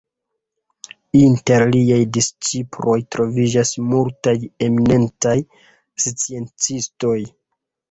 Inter liaj disĉiploj troviĝas multaj eminentaj sciencistoj.